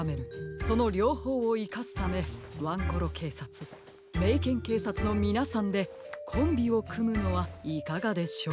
そのりょうほうをいかすためワンコロけいさつメイケンけいさつのみなさんでコンビをくむのはいかがでしょう？